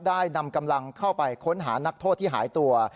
ได้นำกำลังเข้าไปค้นหานักโทษที่หายตัว